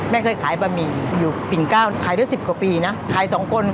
เคยขายบะหมี่อยู่ปิ่นเก้าขายได้๑๐กว่าปีนะขายสองคน